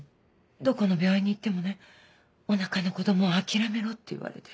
どこの病院に行ってもねお腹の子供は諦めろって言われて。